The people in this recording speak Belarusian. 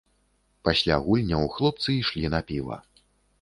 Пасля гульняў хлопцы ішлі на піва.